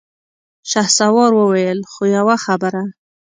شهسوار وويل: خو يوه خبره!